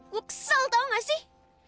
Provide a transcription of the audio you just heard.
gue kesel tau nggak sih